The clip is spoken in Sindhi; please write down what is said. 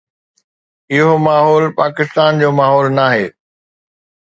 اهو ماحول پاڪستان جو ماحول ناهي.